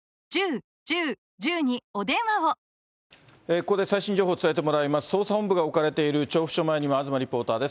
ここで最新情報を伝えてもらいます、捜査本部が置かれている調布署前には東リポーターです。